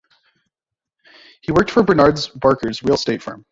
He worked for Bernard Barker's real estate firm.